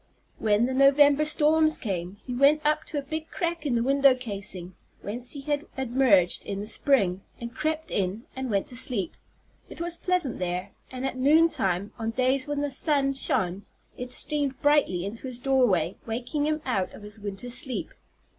When the November storms came, he went up to a big crack in the window casing, whence he had emerged in the spring, and crept in, and went to sleep. It was pleasant there, and at noontime, on days when the sun shone, it streamed brightly into his doorway, waking him out of his winter sleep.